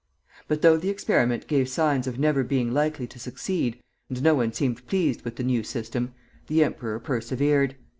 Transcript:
But though the experiment gave signs of never being likely to succeed, and no one seemed pleased with the new system, the emperor persevered.